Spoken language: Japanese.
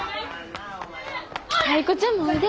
タイ子ちゃんもおいで。